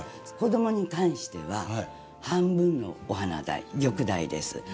子供に関しては半分のお花代玉代です。